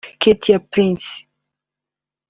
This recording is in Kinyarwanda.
Katie Price